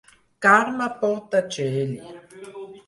Carme Portaceli.